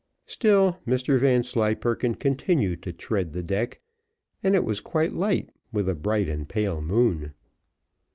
Still Mr Vanslyperken continued to tread the deck, and it was quite light with a bright and pale moon.